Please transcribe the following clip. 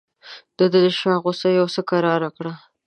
ده د شاه غوسه یو څه کراره کړه.